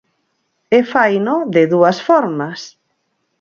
E faino de dúas formas.